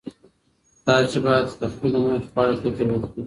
تاسې باید د خپلو موخو په اړه فکر وکړئ.